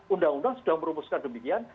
undang undang sudah merumuskan demikian